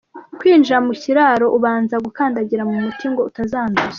Kwinjira mu kiraro ubanza gukandagira mu muti ngo utazanduza.